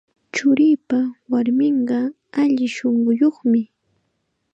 Churiipa warminqa alli shunquyuqmi.